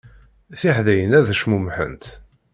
Tiḥdayin ad cmumḥent.